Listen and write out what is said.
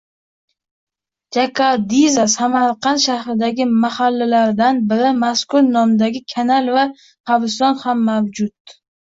Jakardiza – Samarqand shahridagi mahallalardan biri. Mazkur nomdagi kanal va qabriston ham mavjud.